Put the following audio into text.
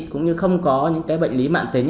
cũng như không có những bệnh lý mạng tính